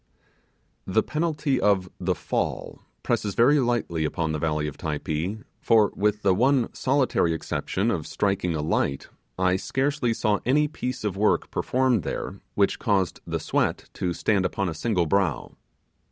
The penalty of the Fall presses very lightly upon the valley of Typee; for, with the one solitary exception of striking a light, I scarcely saw any piece of work performed there which caused the sweat to stand upon a single brow.